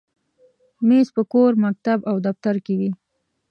مېز په کور، مکتب، او دفتر کې وي.